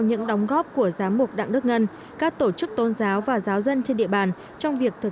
những đóng góp của giám mục đặng đức ngân các tổ chức tôn giáo và giáo dân trên địa bàn trong việc thực